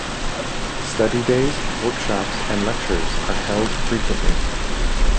Study days, workshops and lectures are held frequently.